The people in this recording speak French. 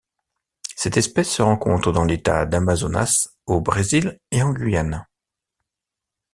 Cette espèce se rencontre dans l'État d'Amazonas au Brésil et en Guyane.